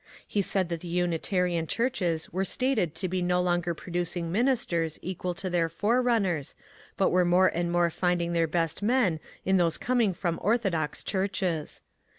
He said that the Unitarian churches were stated to be no longer producing ministers equal to their forerunners, but were more and more finding their best men in those coming from orthodox churches.